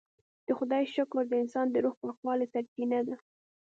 د خدای شکر د انسان د روح پاکوالي سرچینه ده.